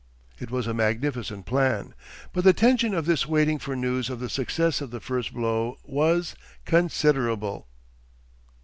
It was a magnificent plan. But the tension of this waiting for news of the success of the first blow was—considerable.